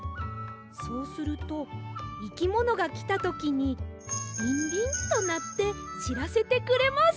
そうするといきものがきたときにリンリンとなってしらせてくれます！